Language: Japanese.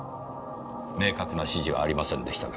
明確な指示はありませんでしたが。